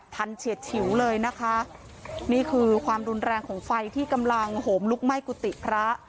เฉียดฉิวเลยนะคะนี่คือความรุนแรงของไฟที่กำลังโหมลุกไหม้กุฏิพระ